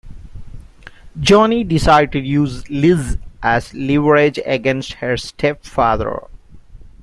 Johnny decides to use Liz as leverage against her stepfather.